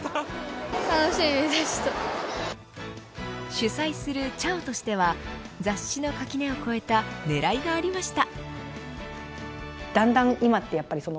主催するちゃおとしては雑誌の垣根を越えた狙いがありました。